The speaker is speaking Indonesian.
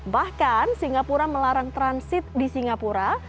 bahkan singapura melarang transit di singapura